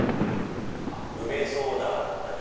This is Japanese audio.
あっ梅ソーダだったり。